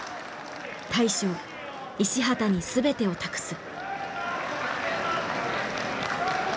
大将石畠に全てを託す。